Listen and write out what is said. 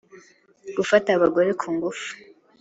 gufata abagore ku ngufu